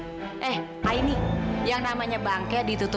sekarang mama lena kasih tau